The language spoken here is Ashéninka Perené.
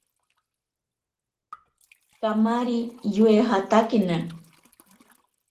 Kamari yoijatakena.